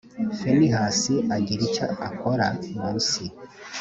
finehasi agira icyo akora munsi